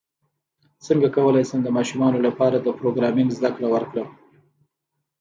څنګه کولی شم د ماشومانو لپاره د پروګرامینګ زدکړه ورکړم